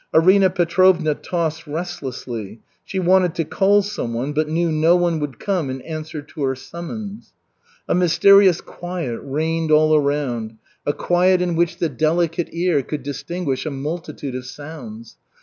Arina Petrovna tossed restlessly. She wanted to call someone, but knew no one would come in answer to her summons. A mysterious quiet reigned all around, a quiet in which the delicate ear could distinguish a multitude of sounds.